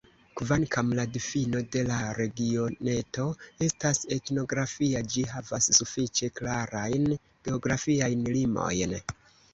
Kvankam la difino de la regioneto estas etnografia, ĝi havas sufiĉe klarajn geografiajn limojn.